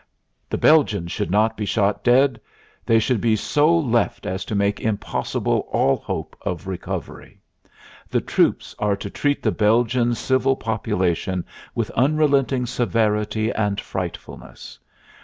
"The Belgians should not be shot dead. They should be ... so left as to make impossible all hope of recovery. The troops are to treat the Belgian civil population with unrelenting severity and frightfulness.